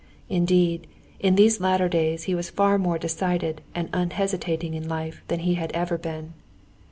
Indeed, in these latter days he was far more decided and unhesitating in life than he had ever been.